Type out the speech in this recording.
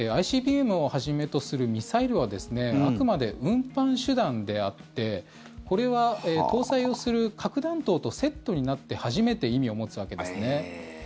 ＩＣＢＭをはじめとするミサイルはあくまで運搬手段であってこれは、搭載する核弾頭とセットになって初めて意味を持つわけですね。